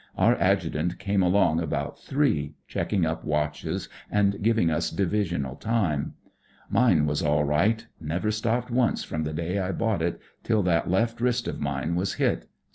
Our Adjutant came along about three, checking up watches and giving us Divisional time. Mine was all right ; never stopped once WHAT IT'S LIKE IN THE PUSH 9 fipom the day I bought it till that left wrist of mine was hit.